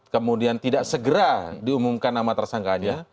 kemudian tidak segera diumumkan nama tersangkanya